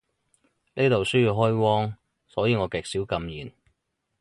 呢度需要開荒，所以我極少禁言